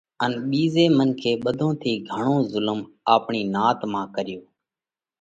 ان ٻِيزي منکي ٻڌون ٿِي گھڻو زُلم آپڻِي نات مانھ ڪريوھ،